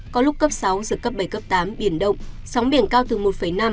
có lúc cấp sáu giật cấp bảy cấp tám biển động sóng biển cao từ một năm hai năm m